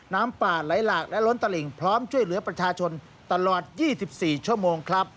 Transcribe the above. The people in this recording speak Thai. น้ำป่าไหลหลากและล้นตลิ่งพร้อมช่วยเหลือประชาชนตลอด๒๔ชั่วโมงครับ